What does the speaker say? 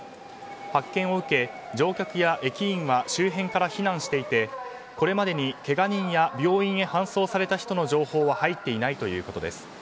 発見を受け、乗客や駅員は周辺から避難していてこれまでにけが人や病院へ搬送された人の情報は入っていないということです。